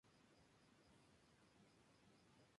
Es investigador y profesor en cirugía laparoscópica.